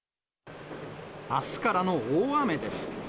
あすからの大雨です。